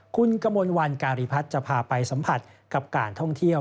คุณกมลวันการีพัฒน์จะพาไปสัมผัสกับการท่องเที่ยว